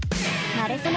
なれそめ！